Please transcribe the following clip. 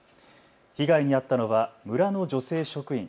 被害に遭ったのは村の女性職員。